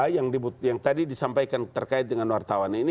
yang tadi disampaikan terkait dengan wartawan ini